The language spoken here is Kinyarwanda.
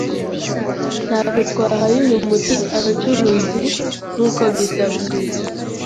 Ntabwo twahaye uyu muti abacuruzi. Nk'uko bisabwa,